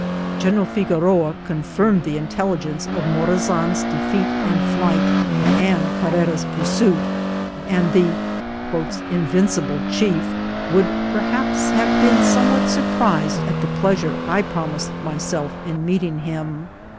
General Figo roa confirmed the intelligence of Morazan's defeat and flight, and Carrera's pursuit, and the " invincible chief" would perhaps have been somewhat surprised at the pleasure I promised myself in meeting him.